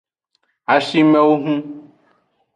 Acimevhun.